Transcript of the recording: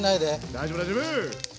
大丈夫大丈夫！